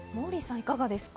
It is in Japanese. いかがですか？